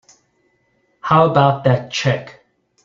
How about that check?